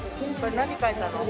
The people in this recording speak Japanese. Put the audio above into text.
何描いたの？